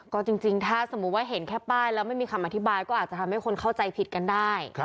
ก็จริงถ้าสมมุติว่าเห็นแค่ป้ายแล้วไม่มีคำอธิบายก็อาจจะทำให้คนเข้าใจผิดกันได้